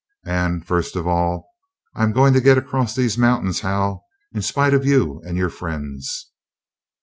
And, first of all, I'm going to get across these mountains, Hal, in spite of you and your friends."